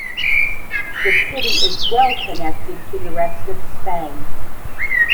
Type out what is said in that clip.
The city is well connected to the rest of Spain.